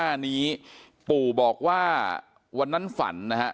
เป็นมีดปลายแหลมยาวประมาณ๑ฟุตนะฮะที่ใช้ก่อเหตุ